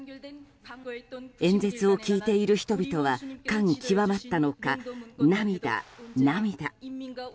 演説を聞いている人々は感極まったのか涙、涙。